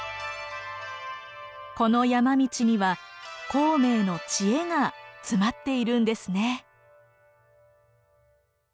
この山道には孔明の知恵が詰まっているんですね。